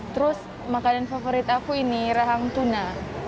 terus makanan favorit aku ini rahang tuna